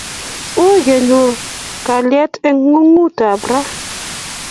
Ui kenyor kalyet eng' ng'onyut ap raini